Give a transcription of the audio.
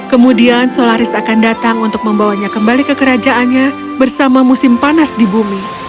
kemudian solaris akan datang untuk membawanya kembali ke kerajaannya bersama musim panas di bumi